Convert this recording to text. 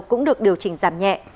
cũng được điều chỉnh giảm nhẹ